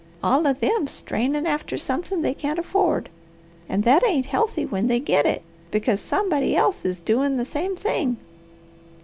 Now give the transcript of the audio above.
All of them strainin' after something they can't afford, and that ain't healthy when they git it, because somebody else is doin' the same thing.